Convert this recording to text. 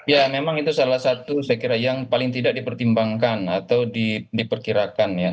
ya memang itu salah satu saya kira yang paling tidak dipertimbangkan atau diperkirakan ya